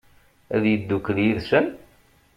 Ad yeddukel yid-sen?